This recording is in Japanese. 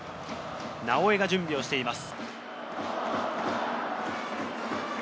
直江が準備をしています。